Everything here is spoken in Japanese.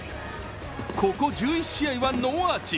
ここ１１試合はノーアーチ。